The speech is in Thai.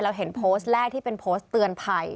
เห็นโพสต์แรกที่เป็นโพสต์เตือนภัย